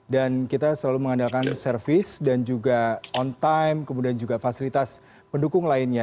dan kita selalu mengandalkan service dan juga on time kemudian juga fasilitas pendukung lainnya